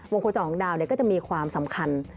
วงค์โฆ่งดาวจะมีความสำคัญ